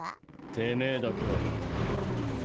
てめェだけは黙ってろ。